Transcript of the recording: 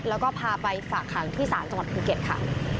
แล้วก็พาไปฝากหางที่ศาลจังหวัดภูเก็ตค่ะ